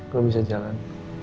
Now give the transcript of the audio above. lo bisa jalan